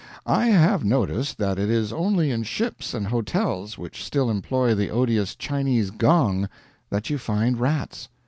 I have noticed that it is only in ships and hotels which still employ the odious Chinese gong, that you find rats.